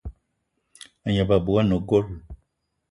A gneb abui ane gold.